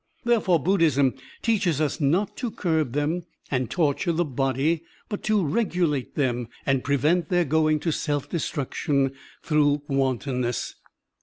Therefore, Buddhism teaches us not to curb them and torture the body, but to regulate them and prevent their going to self destruction through wantonness.